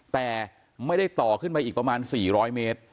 แต่ไม่ได้ต่อขึ้นไปอีกประมาณ๔๐๐เมตร